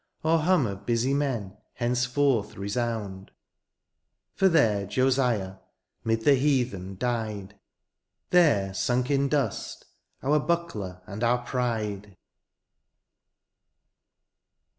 Or hum of busy men^ henceforth resound ; For there Josiah^ *mid the heathen^ died. There sunk in dust, our buckler and our pride